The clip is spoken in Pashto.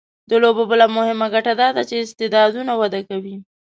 د لوبو بله مهمه ګټه دا ده چې استعدادونه وده کوي.